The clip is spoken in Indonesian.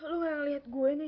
lu yang liat gue nih